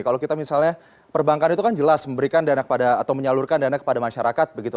kalau kita misalnya perbankan itu kan jelas memberikan dana kepada atau menyalurkan dana kepada masyarakat begitu